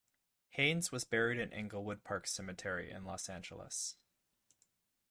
Haines is buried in Inglewood Park Cemetery in Los Angeles.